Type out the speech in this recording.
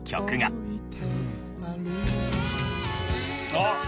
あっ！